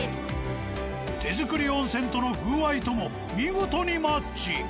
手作り温泉との風合いとも見事にマッチ。